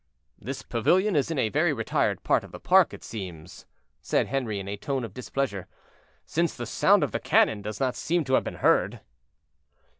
"This pavilion is in a very retired part of the park, it seems," said Henri, in a tone of displeasure, "since the sound of the cannon does not seem to have been heard."